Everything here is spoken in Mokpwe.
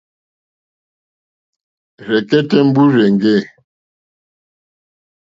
Rzɛ̀kɛ́tɛ́ mbúrzà èŋɡê.